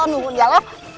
nungguin ya lah